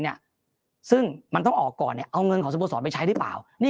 ซึ่งมันต้องออกก่อนเอาเงินของสโมสรไปใช้หรือเปล่า